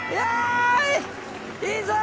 いいぞ！